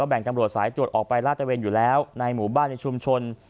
แบ่งตำรวจสายตรวจออกไปลาดตะเวนอยู่แล้วในหมู่บ้านในชุมชน